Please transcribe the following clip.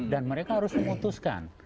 dan mereka harus memutuskan